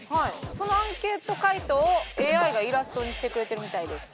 そのアンケート回答をＡＩがイラストにしてくれてるみたいです。